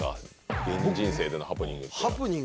芸人人生の中でのハプニング。